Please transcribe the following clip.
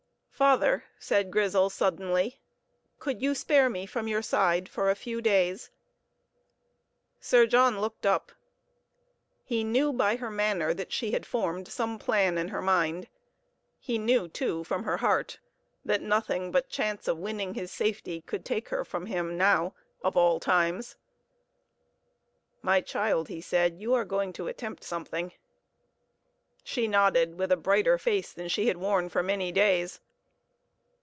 "Father," said Grizel suddenly, "could you spare me from your side for a few days?" Sir John looked up. He knew by her manner that she had formed some plan in her mind; he knew, too, from her heart, that nothing but chance of winning his safety could take her from him now, of all times. "My child," he said, "you are going to attempt something." She nodded, with a brighter face than she had worn for many days.